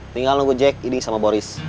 tinggal nunggu jack ini sama boris